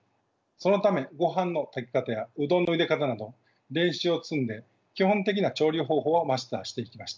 そのため御飯の炊き方やうどんのゆで方など練習を積んで基本的な調理方法をマスターしていきました。